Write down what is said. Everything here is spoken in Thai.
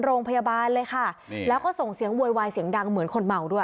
โรงพยาบาลเลยค่ะแล้วก็ส่งเสียงโวยวายเสียงดังเหมือนคนเมาด้วย